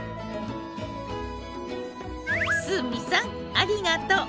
堤さんありがとう！